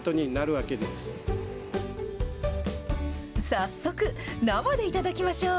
早速生で頂きましょう。